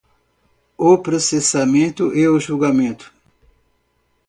o processamento e o julgamento